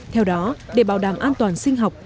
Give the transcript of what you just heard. theo đó để bảo đảm an toàn sinh học